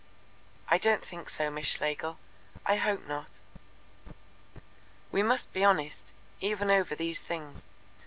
"I don't think so, Miss Schlegel; I hope not." "We must be honest, even over these things.